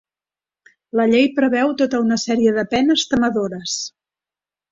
La llei preveu tota una sèrie de penes temedores.